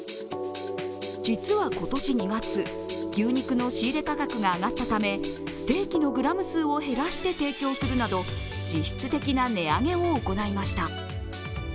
実は今年２月、牛肉の仕入れ価格が上がったためステーキのグラム数を減らして提供するなど実質的な値上げを行いました。